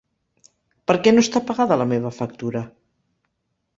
Per què no està pagada la meva factura?